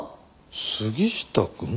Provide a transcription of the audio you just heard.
杉下くん？